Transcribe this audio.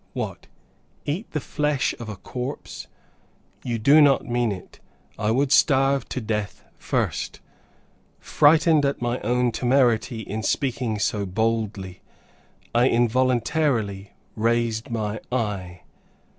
"What! eat the flesh of a corpse? You do not mean it. I would starve to death first!" Frightened at my own temerity in speaking so boldly, I involuntarily raised my eye.